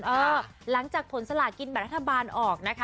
หลังจากผลสลากินแบบรัฐบาลออกนะคะ